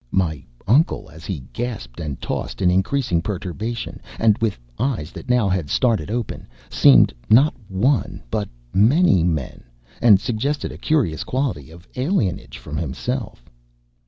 My uncle, as he gasped and tossed in increasing perturbation and with eyes that had now started open, seemed not one but many men, and suggested a curious quality of alienage from himself.